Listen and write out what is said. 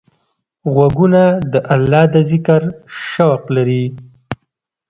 غوږونه د الله د ذکر شوق لري